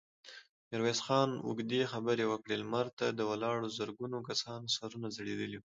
ميرويس خان اوږدې خبرې وکړې، لمر ته د ولاړو زرګونو کسانو سرونه ځړېدلي وو.